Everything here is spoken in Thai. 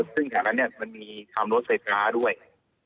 ซึ่งฐานนั้นมันมีทำรถเสร็จกาด้วย